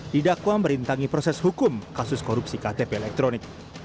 didakwa merintangi proses hukum perkara korupsi